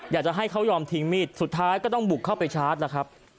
อยากจะให้เขายอมทิ้งมีดสุดท้ายก็ต้องบุกเข้าไปชาร์จนะครับ